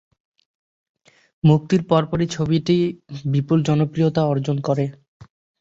মুক্তির পরপরই ছবিটি বিপুল জনপ্রিয়তা অর্জন করে।